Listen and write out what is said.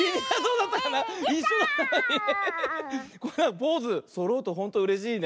ポーズそろうとほんとうれしいね。